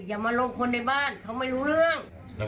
อย่ามาลงคนในบ้านเขาไม่รู้เรื่อง